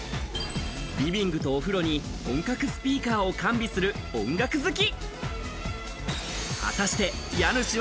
リビングとお風呂に本格スピーカーを完備する音楽好き。